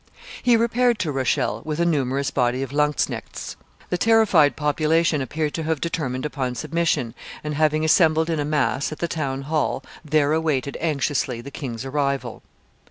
He repaired to Rochelle with a numerous body of lanzknechts. The terrified population appeared to have determined upon submission, and, having assembled in a mass at the town hall, there awaited anxiously the king's arrival.